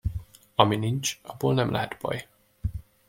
Ami nincs, abból nem lehet baj.